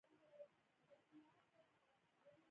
ازادي راډیو د سوله په اړه د نړیوالو رسنیو راپورونه شریک کړي.